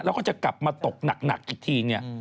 แล้วก็จะกลับมาตกหนักอีกทีเนี่ย